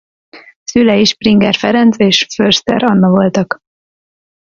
Szülei Springer Ferenc és Förster Anna voltak.